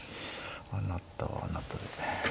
あなたはあなたで。